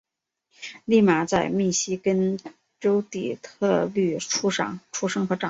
俪玛在密西根州底特律出生和长大。